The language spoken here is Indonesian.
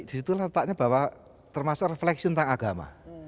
di situ letaknya bahwa termasuk refleksi tentang agama